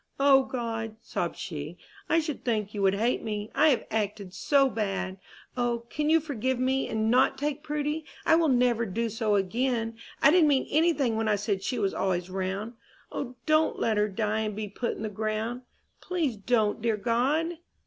"O God," sobbed she, "I should think you would hate me, I have acted so bad! O, can you forgive me, and not take Prudy? I never will do so again! I didn't mean any thing when I said she was always round. O, don't let her die and be put in the ground! Please don't, dear God!